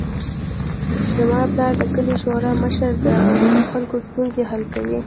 زما پلار د کلي د شورا مشر ده او د خلکو ستونزې حل کوي